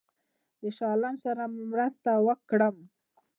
د شاه عالم سره مرسته وکړم.